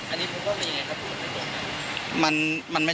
อันนี้คุณว่าเป็นยังไงครับคุณว่าเป็นยังไง